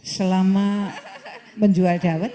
selama menjual dawah